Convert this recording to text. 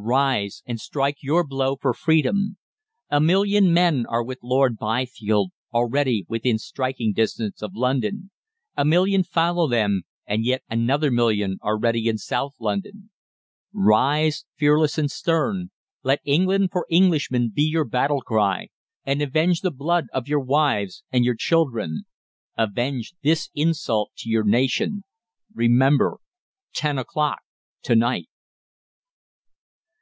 rise, and strike your blow for freedom. A MILLION MEN are with Lord Byfield, already within striking distance of London; a million follow them, and yet another million are ready in South London. RISE, FEARLESS AND STERN. Let "England for Englishmen" be your battle cry, and avenge the blood of your wives and your children. AVENGE THIS INSULT TO YOUR NATION. REMEMBER: TEN O'CLOCK TO NIGHT!